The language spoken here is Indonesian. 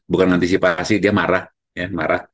bukan ngantisipasi dia marah